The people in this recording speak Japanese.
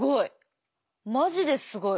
マジですごい。